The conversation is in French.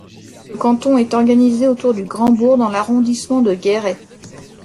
Ce canton est organisé autour du Grand-Bourg dans l'arrondissement de Guéret.